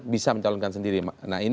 bisa mencalonkan sendiri nah ini